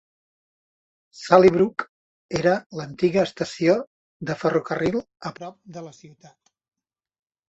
Sallybrook era l'antiga estació de ferrocarril a prop de la ciutat.